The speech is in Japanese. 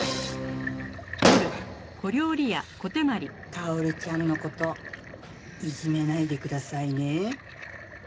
薫ちゃんの事いじめないでくださいね。